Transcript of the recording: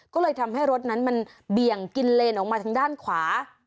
ก็เลยทำให้รถนั้นมันเบี่ยงกินเลนออกมาทางด้านขวา